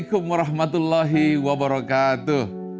assalamualaikum warahmatullahi wabarakatuh